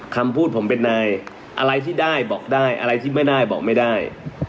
คำพูดผมเป็นนายอะไรที่ได้บอกได้อะไรที่ไม่ได้บอกไม่ได้